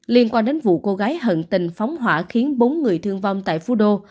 liên quan đến vụ cô gái hận tình phóng hỏa khiến bốn người thương vong tại phu đô